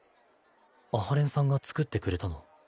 阿波連さんが作ってくれたの？